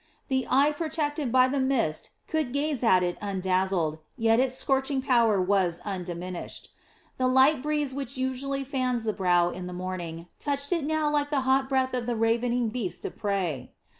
The eye protected by the mist could gaze at it undazzled, yet its scorching power was undiminished. The light breeze, which usually fanned the brow in the morning, touched it now like the hot breath of a ravening beast of prey.